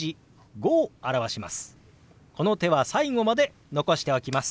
この手は最後まで残しておきます。